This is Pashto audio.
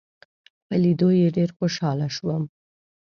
په لیدو یې ډېر خوشاله شوم.